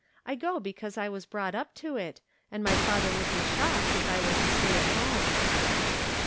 I go be cause I was brought up to it, and my father would be shocked if I were to stay 'at home."